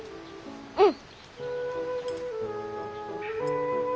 うん。